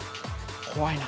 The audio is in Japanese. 怖いな。